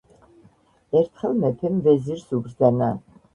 ერთხელ მეფემ ვეზირს უბრძანა